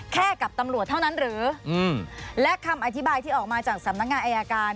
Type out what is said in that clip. แค่กับตำรวจเท่านั้นหรือและคำอธิบายที่ออกมาจากสำนักงานอายการ